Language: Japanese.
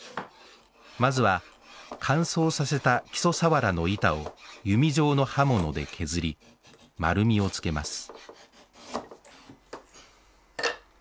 まずは、乾燥させたキソサワラの板を弓状の刃物で削り丸みをつけます。